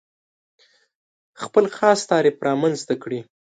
خپل خاص تعریف رامنځته کړي.